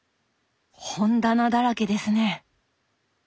本棚だらけですね。